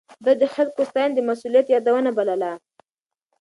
ده د خلکو ستاينه د مسؤليت يادونه بلله.